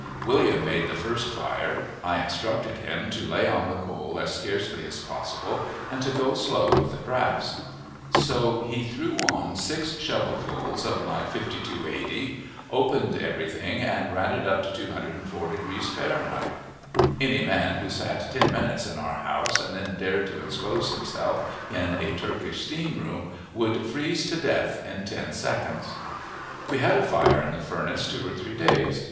William made the first fire. I instructed him to lay on the coal as scarcely as possible, and to go slow with the draughts. So he threw on six shovelsful of my $52.80, opened everything and ran it up to 204 degrees F. Any man who sat ten minutes in our house and then dared to expose himself in a Turkish steam room would freeze to death in ten seconds. We had a fire in the furnace two or three days.